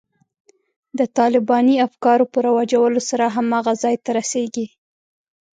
د طالباني افکارو په رواجولو سره هماغه ځای ته رسېږي.